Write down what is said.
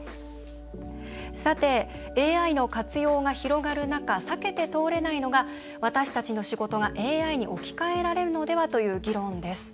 さて、ＡＩの活用が広がる中避けて通れないのが私たちの仕事がＡＩに置き換えられるのではという議論です。